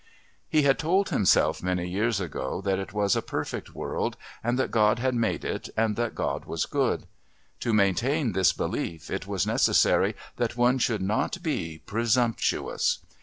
He had told himself many years ago that it was a perfect world and that God had made it and that God was good. To maintain this belief it was necessary that one should not be "Presumptuous."